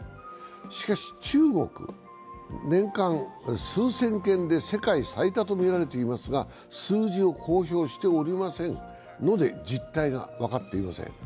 しかし、中国は年間数千件で世界最多とみられていますが、数字を公表しておりませんので実態がわかっていません。